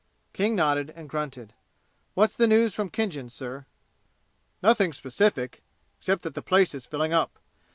King nodded and grunted. "What's the news from Khinjan, sir?" "Nothing specific, except that the place is filling up.